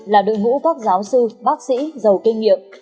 là đội ngũ các giáo sư bác sĩ giàu kinh nghiệm